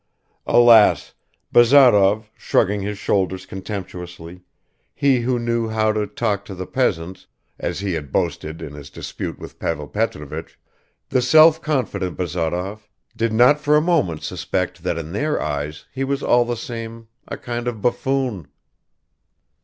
Alas! Bazarov, shrugging his shoulders contemptuously, he who knew how to talk to the peasants (as he had boasted in his dispute with Pavel Petrovich), the self confident Bazarov did not for a moment suspect that in their eyes he was all the same a kind of buffoon